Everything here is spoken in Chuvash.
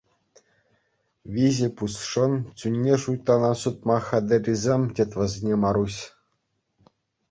Виҫӗ пусшӑн чунне шуйттана сутма хатӗррисем тет вӗсене Маруҫ.